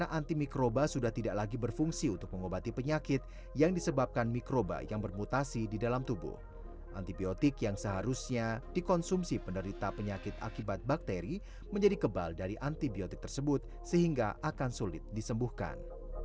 antibiotik yang seharusnya dikonsumsi penderita penyakit akibat bakteri menjadi kebal dari antibiotik tersebut sehingga akan sulit disembuhkan